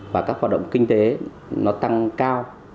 và các hoạt động kinh tế nó tăng cao